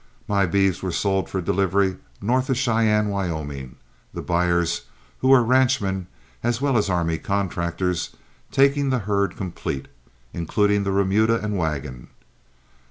My beeves were sold for delivery north of Cheyenne, Wyoming, the buyers, who were ranchmen as well as army contractors, taking the herd complete, including the remuda and wagon.